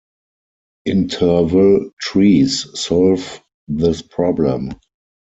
Interval trees solve this problem.